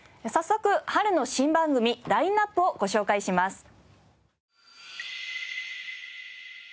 早速春の新番組ラインアップをご紹介します。